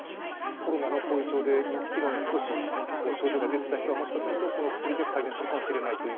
コロナの後遺症で認知機能に少し影響が出ていた方はもしかすると、この薬で改善するかもしれないと。